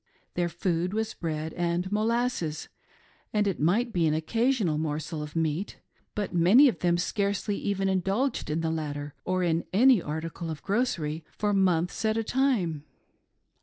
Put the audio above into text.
Their food was bread, and molasses, aiid it might be an occasional morsel of meat ; but many of them scarcely even induced in the latter or in any article of grocery, for months at a time.